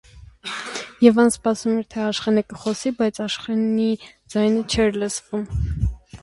Եվան սպասում էր, թե Աշխենը կխոսի, բայց Աշխենի ձայնը չէր լսվում: